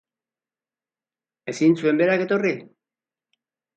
Ezin zuen berak etorri?.